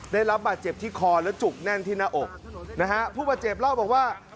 ได้รับบาดเจ็บที่คอและจุกแน่นที่หน้าอกนะฮะผู้บาดเจ็บเล่าบอกว่า